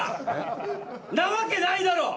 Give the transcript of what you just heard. なわけないだろ。